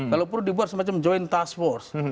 kalau perlu dibuat semacam joint task force